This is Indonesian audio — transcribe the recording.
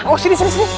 oh sini sini